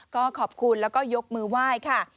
ก็ขอบคุณแล้วก็ยกมือไหว้ค่ะ